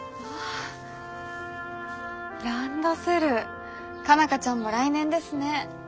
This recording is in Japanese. ランドセル佳奈花ちゃんも来年ですね。